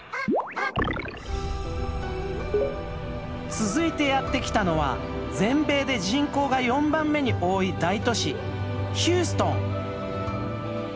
続いてやって来たのは全米で人口が４番目に多い大都市ヒューストン。